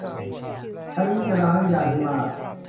ใช้วิจารณญาณให้มาก